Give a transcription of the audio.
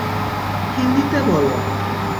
হিন্দিতে বলো।